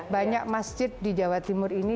banyak masjid di jawa timur ini